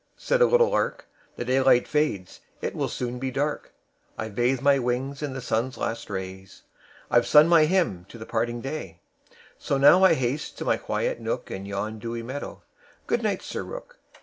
said a little lark. "The daylight fades; it will soon be dark; I've bathed my wings in the sun's last ray; I've sung my hymn to the parting day; So now I haste to my quiet nook In yon dewy meadow good night, Sir Rook!"